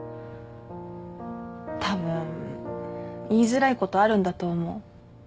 たぶん言いづらいことあるんだと思う。